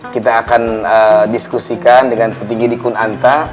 kita akan diskusikan dengan petinggi di kun anta